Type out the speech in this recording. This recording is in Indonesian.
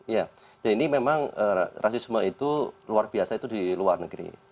ya jadi memang rasisme itu luar biasa itu di luar negeri